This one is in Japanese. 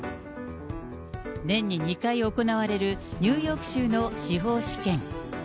年に２回行われるニューヨーク州の司法試験。